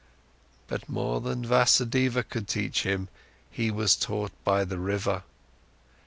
But more than Vasudeva could teach him, he was taught by the river.